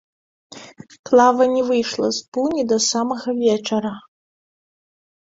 Клава не выйшла з пуні да самага вечара.